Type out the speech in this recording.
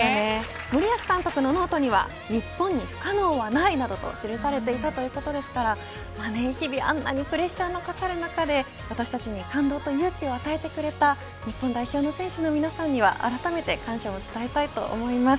森保監督のノートには日本に不可能はない、などと記されていたということですから日々あんなにプレッシャーの掛かる中で私たちに感動と勇気を与えてくれた日本代表の選手の皆さんにはあらためて感謝を伝えたいと思います。